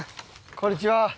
こんにちは。